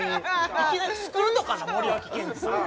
いきなりつくるとかの森脇健児さん？